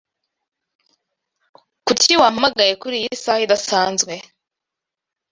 Kuki wampamagaye kuriyi saha idasanzwe?